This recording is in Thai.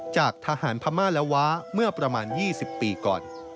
จากทหารพม่าและว้าเมื่อประมาณ๒๐ปีก่อน